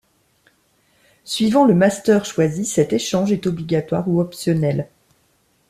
Suivant le master choisi, cet échange est obligatoire ou optionnel.